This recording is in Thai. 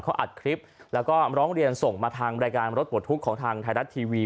เขาอัดคลิปแล้วก็ร้องเรียนส่งมาทางรายการรถปลดทุกข์ของทางไทยรัฐทีวี